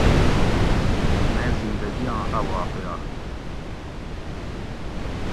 میں زندگیاں اۤ واقعہ